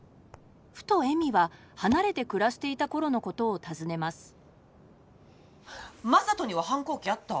ふと恵美は離れて暮らしていた頃のことを尋ねます正門には反抗期あった？